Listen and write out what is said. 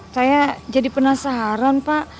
saya jadi penasaran pak